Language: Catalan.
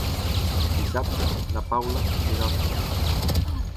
Dissabte na Paula anirà al cinema.